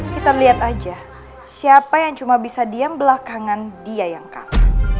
kita lihat aja siapa yang cuma bisa diam belakangan dia yang kalah